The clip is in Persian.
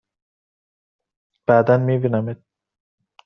بعدا می بینمت!